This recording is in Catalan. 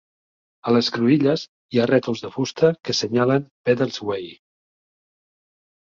A les cruïlles hi ha rètols de fusta que senyalen "Peddars Way".